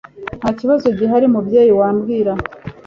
ntakibazo gihari mubyeyi wambwira